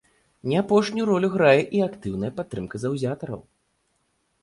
Не апошнюю ролю грае і актыўная падтрымка заўзятараў.